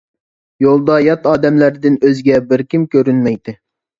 يولدا يات ئادەملەردىن ئۆزگە بىر كىم كۆرۈنمەيتتى.